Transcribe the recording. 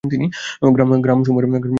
গ্রাম সমূহের নামঃ-